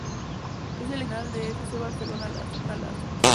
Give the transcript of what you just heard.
Es el equipo filial del F. C. Barcelona Lassa.